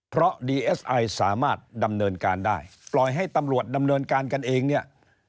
เพราะดีเอสไอสามารถดำเนินการได้ปล่อยให้ตำรวจดำเนินการกันเองเนี่ย